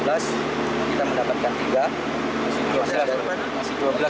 kita mendapatkan tiga